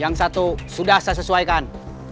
yang satu sudah saya sesuaikan